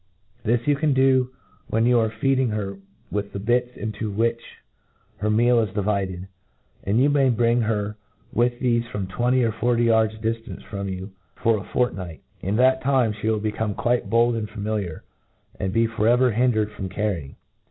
This you can do when you arc feeding her with the bits into which her meal is divU ded i and you may bring her with thefe from twenty to forty yards diftance from you for a fortnight. In that time, fhe will become quite bold and familiar, and be forever hindered from carrying.